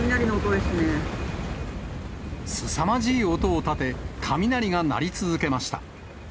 すさまじい音を立て、雷が鳴り続けました。